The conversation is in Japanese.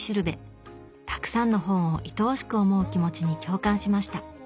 たくさんの本をいとおしく思う気持ちに共感しました。